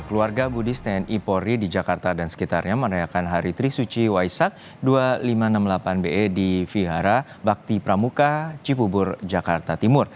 keluarga budis tni polri di jakarta dan sekitarnya merayakan hari trisuci waisak dua ribu lima ratus enam puluh delapan be di vihara bakti pramuka cipubur jakarta timur